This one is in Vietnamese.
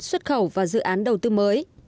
xuất khẩu và dự án đầu tư mới